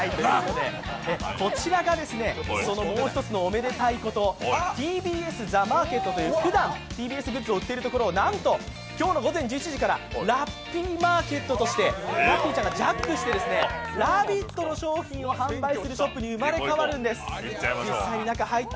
こちらがもう１つのおめでたいこと、ＴＢＳＴＨＥＭＡＲＫＥＴというふだん、ＴＢＳグッズを売っているところを、なんと本日１１時からラッピーマーケットとしてラッピーちゃんがジャックして「ラヴィット！」の商品を売るお店に生まれ変わるんです。